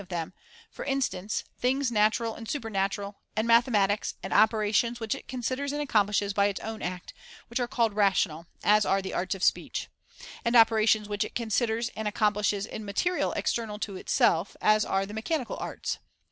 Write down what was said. Things of them ; for instance, things natural and super subject to natural, and mathematics ; and operations which it *"^ considers and accomplishes by its own act, which are called rational, as are the arts of speech ; and operations which it ] considers and accom plishes in material external to itself, as are the mechanical arts.